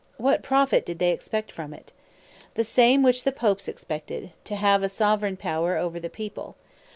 What Profit did they expect from it? The same which the Popes expected: to have a Soveraign Power over the People.